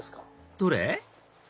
どれ？